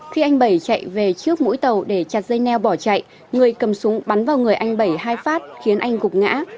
khi anh bảy chạy về trước mũi tàu để chặt dây neo bỏ chạy người cầm súng bắn vào người anh bảy hai phát khiến anh gục ngã